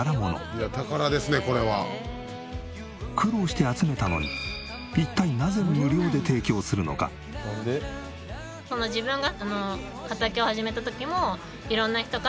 いや宝ですねこれは。苦労して集めたのに一体なぜ無料で提供するのか？っていうのもあるので今度は自分が。